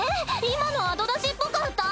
今の後出しっぽかった！